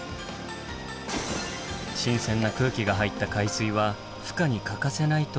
新鮮な空気が入った海水はふ化に欠かせないといいます。